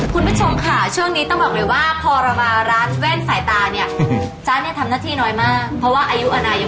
คุณผู้ชมค่ะช่วงนี้ต้องบอกเลยว่าพอเรามาร้านแว่นสายตาเนี่ย